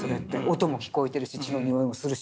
音も聞こえてるし血のにおいもするしっていう。